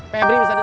febri bisa denger